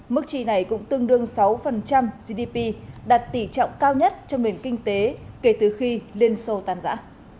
mức chi này cũng tương đương sáu gdp đạt tỷ trọng cao nhất trong nền kinh tế kể từ khi liên xô tàn giã